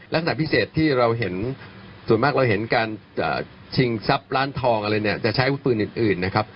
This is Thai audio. ลักษณะพิเศษที่เราเห็นส่วนมากเราเห็นการชิงทรัพย์ร้านทองอะไรเนี่ยจะใช้วุฒิปืนอื่นนะครับ